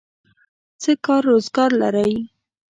څه کار روزګار لرئ؟